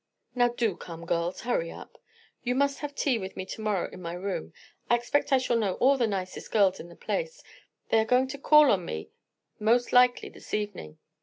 Now do come, girls; hurry up. You must have tea with me to morrow in my room. I expect I shall know all the nicest girls in the place; they are going to call on me most likely this evening.